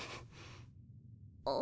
あ。